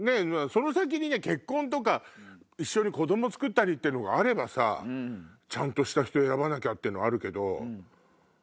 その先に結婚とか一緒に子供つくったりってあればさちゃんとした人選ばなきゃってのあるけど。